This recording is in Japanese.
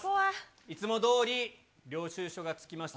いつもどおり、領収書が付きました